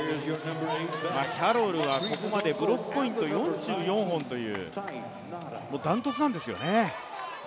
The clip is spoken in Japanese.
キャロルはここまでブロックポイント４４本という断トツなんですよね。